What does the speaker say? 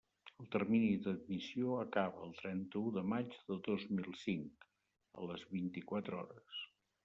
El termini d'admissió s'acaba el trenta-u de maig de dos mil cinc, a les vint-i-quatre hores.